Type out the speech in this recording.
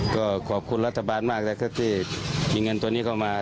ก็ขอบคุณรัฐบาลมากที่มีเงินตัวนี้เข้ามา